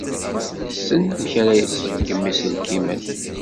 Yessen amek ara iṣeggem iselkimen.